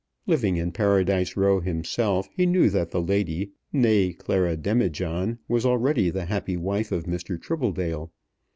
Living in Paradise Row himself, he knew that the lady, née Clara Demijohn, was already the happy wife of Mr. Tribbledale.